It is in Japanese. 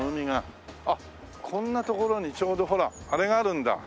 あっこんな所にちょうどほらあれがあるんだ。